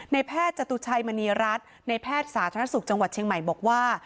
แพทย์จตุชัยมณีรัฐในแพทย์สาธารณสุขจังหวัดเชียงใหม่บอกว่า